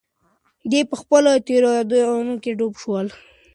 دی په خپلو تېرو یادونو کې ډوب شوی و.